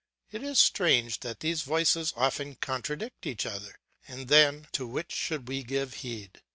It is strange that these voices often contradict each other? And then to which should we give heed?